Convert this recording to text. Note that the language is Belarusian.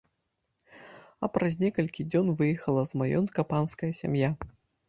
А праз некалькі дзён выехала з маёнтка панская сям'я.